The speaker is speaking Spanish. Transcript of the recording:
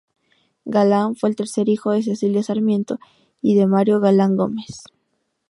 Galán fue el tercer hijo de Cecilia Sarmiento y de Mario Galán Gómez.